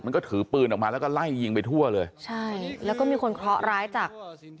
มันก็ถือปืนออกมาแล้วก็ไล่ยิงไปทั่วเลยใช่แล้วก็มีคนเคราะหร้ายจาก